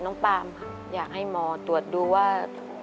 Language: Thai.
น้องปามครับอยากให้หมอตรวจดูว่า